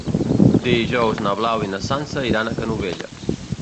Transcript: Dijous na Blau i na Sança iran a Canovelles.